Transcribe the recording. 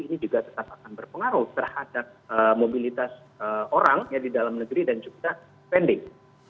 ini juga tetap akan berpengaruh terhadap mobilitas orang di dalam negeri dan juga pending